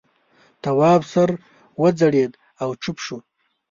تواب سر وځړېد او چوپ شو.